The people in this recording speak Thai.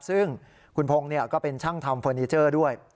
ซึ่งคุณพงศ์ก็เป็นช่างทำเฟอร์นิเจอร์ด้วย